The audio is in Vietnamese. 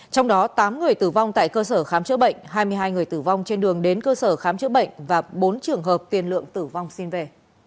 trong đó tám người tử vong tại cơ sở khám chữa bệnh hai mươi hai người tử vong trên đường đến cơ sở khám chữa bệnh và bốn trường hợp tiền lượng tử vong xin về